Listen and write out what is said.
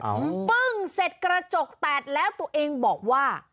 ปึ้งเสร็จกระจกแตกแล้วตัวเองบอกว่า